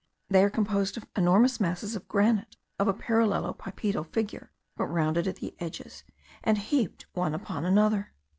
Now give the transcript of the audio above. They are composed of enormous masses of granite of a parallelopipedal figure, but rounded at the edges, and heaped one upon another.